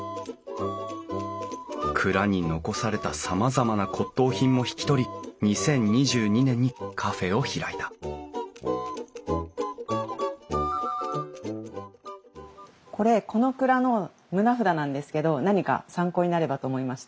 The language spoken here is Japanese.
蔵に残されたさまざまな骨董品も引き取り２０２２年にカフェを開いたこれこの蔵の棟札なんですけど何か参考になればと思いまして。